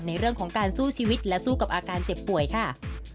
ในเรื่องของการสู้ชีวิตและสู้กับอาการเจ็บป่วยค่ะ